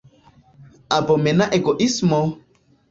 Abomena egoismo!